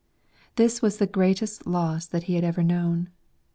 This was the greatest loss that he had ever known.